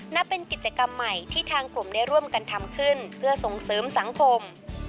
นับเป็นกิจกรรมใหม่ที่ทางกลุ่มได้ร่วมกันทำขึ้นเพื่อส่งเสริมสังคม